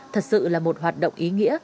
thật sự là một hoạt động ý nghĩa